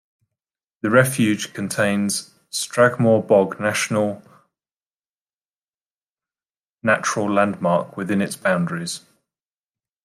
The refuge contains the Strangmoor Bog National Natural Landmark within its boundaries.